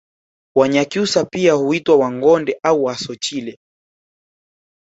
Wanyakyusa pia huitwa Wangonde au Wasochile